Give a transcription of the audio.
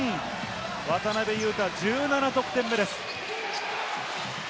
渡邊雄太、１７得点目です。